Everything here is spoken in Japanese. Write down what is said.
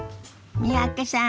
三宅さん